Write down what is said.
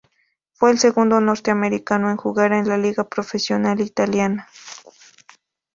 Fue el segundo norteamericano en jugar en la liga profesional italiana.